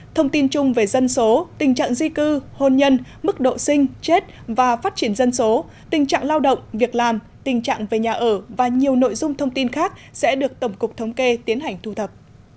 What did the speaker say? thông tin chung về dân số tình trạng di cư hôn nhân mức độ sinh chết và phát triển dân số tình trạng lao động việc làm tình trạng về nhà ở và nhiều nội dung thông tin khác sẽ được tổng cục thống kê tiến hành thu thập